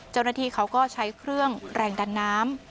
เจ้าหน้าที่เขาก็ใช้เครื่องแรงดันน้ำ